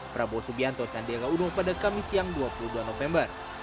prabowo subianto sandiaga uno pada kamis siang dua puluh dua november